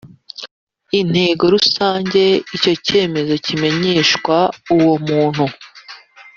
inteko rusange icyo cyemezo kimenyeshwa uwomuntu